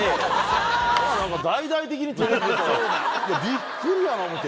びっくりやな思て。